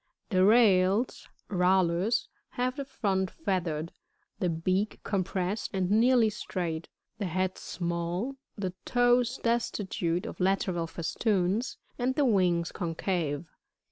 58. The Rails, — Rallus, — have the front feathered, the bealr compressed and nearly straight, the head small, the toes destitute of lateral festoons, and the wings concave.